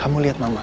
kamu lihat mamah